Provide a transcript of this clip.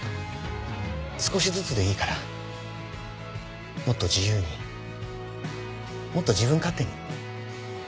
少しずつでいいからもっと自由にもっと自分勝手に。